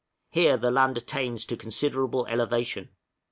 Here the land attains to considerable elevation.